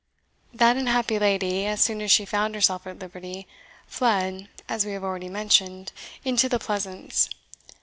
That unhappy lady, as soon as she found herself at liberty, fled, as we have already mentioned, into the Pleasance.